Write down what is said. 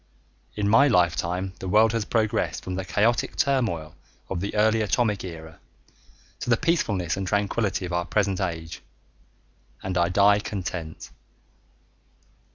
In my lifetime the world has progressed from the chaotic turmoil of the early Atomic era to the peacefulness and tranquility of our present age, and I die content.